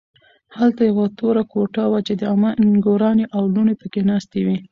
هلته یوه توره کوټه وه چې د عمه نګورانې او لوڼې پکې ناستې وې